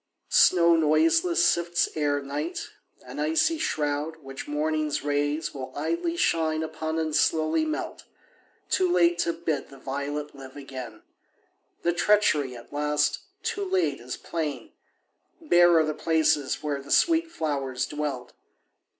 Snow noiseless sifts Ere night, an icy shroud, which morning's rays Willidly shine upon and slowly melt, Too late to bid the violet live again. The treachery, at last, too late, is plain; Bare are the places where the sweet flowers dwelt.